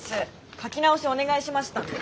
描き直しお願いしましたんで。